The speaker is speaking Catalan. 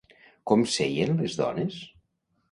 Com seien les dones?